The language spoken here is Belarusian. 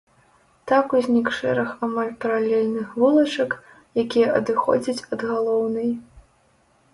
Так узнік шэраг амаль паралельных вулачак, якія адыходзяць ад галоўнай.